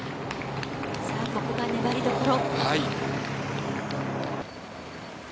ここは粘りどころ。